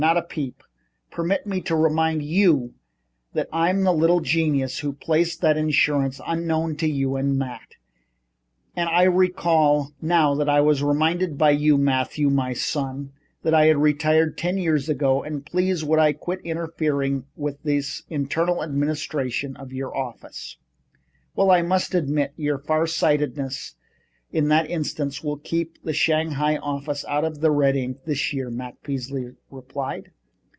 Not a peep. Permit me to remind you that I'm the little genius who placed that insurance unknown to you and Matt. And I recall now that I was reminded by you, Matthew, my son, that I had retired ten years ago and please, would I quit interfering in the internal administration of your office." "Well, I must admit your far sightedness in that instance will keep the Shanghai office out of the red ink this year," Matt Peasley replied.